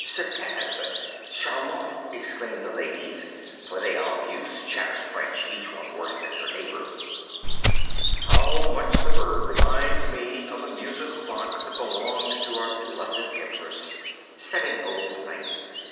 "Superbe! Charmant!" exclaimed the ladies; for they all used to chatter French, each one worse than her neighbor. "How much the bird reminds me of the musical box that belonged to our blessed Empress," said an old knight.